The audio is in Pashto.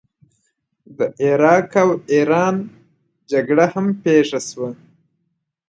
د عراق او ایران جګړه هم پیښه شوه.